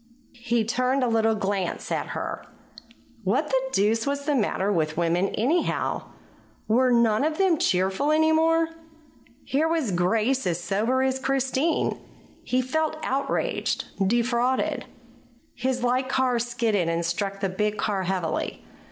He turned a little glance at her. What the deuce was the matter with women, anyhow? Were none of them cheerful any more? Here was Grace as sober as Christine. He felt outraged, defrauded. His light car skidded and struck the big car heavily.